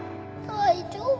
大丈夫？